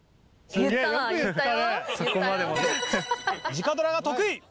直ドラが得意！